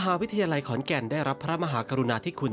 วิทยาลัยขอนแก่นได้รับพระมหากรุณาธิคุณ